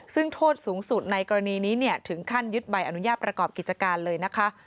ซึ่งโทษสูงสุดในกรณีนี้ถึงขั้นยึดใบอนุญาตประกอบกิจการเลยนะคะ